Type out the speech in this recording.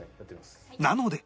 なので